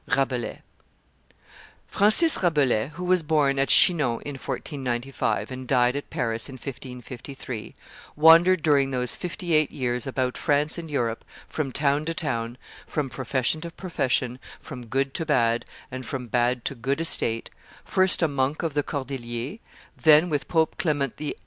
[Illustration: Rabelais 171] Francis Rabelais, who was born at Chinon in 1495, and died at Paris in 1553, wandered during those fifty eight years about France and Europe from town to town, from profession to profession, from good to bad and from bad to good estate; first a monk of the Cordeliers; then, with Pope Clement VII.